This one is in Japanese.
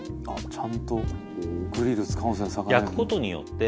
「ちゃんとグリル使うんですね」